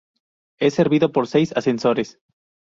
Es servido por seis ascensores.